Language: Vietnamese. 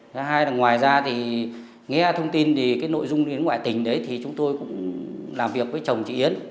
thứ hai là ngoài ra thì nghe thông tin thì cái nội dung đi đến ngoại tình đấy thì chúng tôi cũng làm việc với chồng chị yến